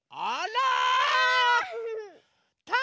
あら？